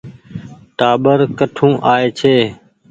ٽآٻر ڪٺون آئي ڇي۔